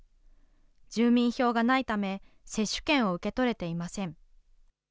住民票がないため、接種券を受け取れていません。